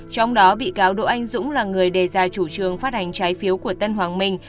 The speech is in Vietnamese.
trong đó bị cáo đỗ anh dũng là người đề ra chủ trương phát hành trái phiếu của tân hoàng minh